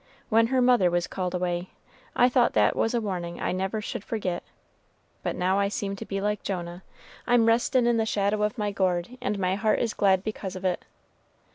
When her mother was called away, I thought that was a warning I never should forget; but now I seem to be like Jonah, I'm restin' in the shadow of my gourd, and my heart is glad because of it.